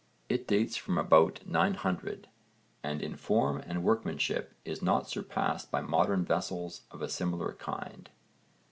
It dates from about 900, and in form and workmanship is not surpassed by modern vessels of a similar kind.